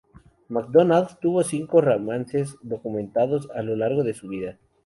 MacDonald tuvo cinco romances documentados a lo largo de su vida.